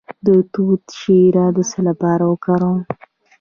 د توت شیره د څه لپاره وکاروم؟